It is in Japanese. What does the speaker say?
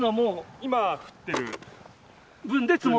今降ってる。